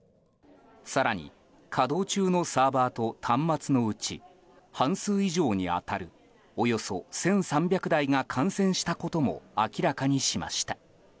更に稼働中のサーバーと端末のうち半数以上に当たるおよそ１３００台が感染したことも明らかにしました。